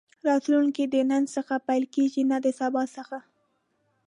راتلونکی د نن څخه پيل کېږي نه د سبا څخه.